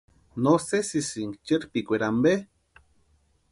¿No sesisïnki cherpikwaeri ampe?